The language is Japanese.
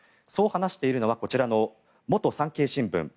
そう話しているのは、こちらの元産経新聞